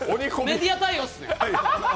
メディア対応っすね。